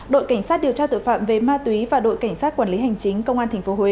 đội cảnh sát điều tra tội phạm về ma túy và đội cảnh sát quản lý hành chính công an tp huế